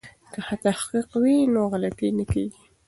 که تحقیق وي نو غلطي نه کیږي.